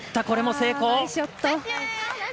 これも成功。